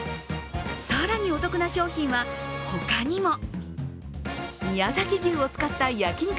更にお得な商品は他にも宮崎牛を使った焼肉